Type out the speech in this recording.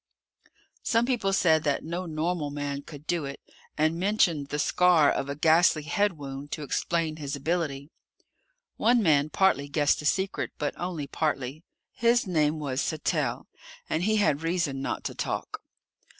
Some people said that no normal man could do it, and mentioned the scar of a ghastly head wound to explain his ability. One man partly guessed the secret, but only partly. His name was Sattell and he had reason not to talk.